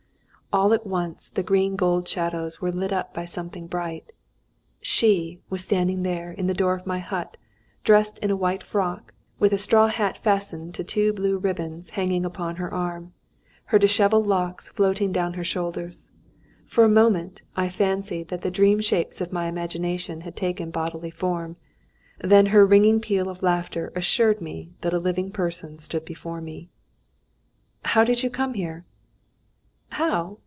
All at once the green gold shadows were lit up by something bright. She was standing there in the door of my hut, dressed in a white frock, with a straw hat fastened to two blue ribbons hanging upon her arm, and her dishevelled locks floating down her shoulders. For a moment I fancied that the dream shapes of my imagination had taken bodily form. Then her ringing peal of laughter assured me that a living person stood before me. "How did you come here?" "How?